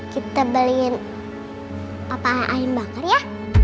kita beliin papa air bakar ya